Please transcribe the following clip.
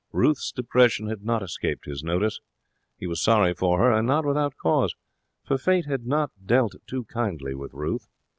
Ruth's depression had not escaped his notice. He was sorry for her. And not without cause, for Fate had not dealt too kindly with Ruth.